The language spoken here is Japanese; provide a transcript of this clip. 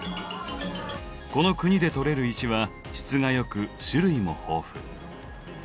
この国で採れる石は質が良く種類も豊富。